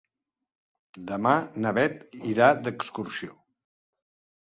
Demà na Beth irà d'excursió.